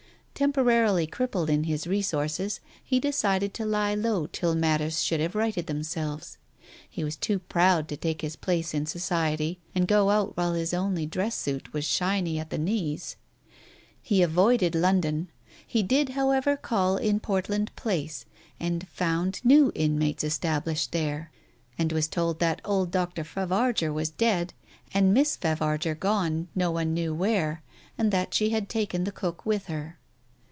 Temporarily crippled in his resources, he decided to lie low till matters should have righted them selves. He was too proud to take his place in society, and go out while his only dress suit was shiny at the knees. He avoided London. He did, however, call in Portland Place and found new inmates established there, and was told that old Dr. Favarger was dead and Miss Digitized by Google 250 TALES OF THE UNEASY Favarger gone, no one knew where, and that she had taken the cook with her.